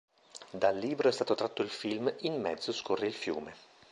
Dal libro è stato tratto il film "In mezzo scorre il fiume".